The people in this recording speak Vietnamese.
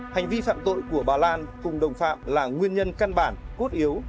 hành vi phạm tội của bà lan cùng đồng phạm là nguyên nhân căn bản cốt yếu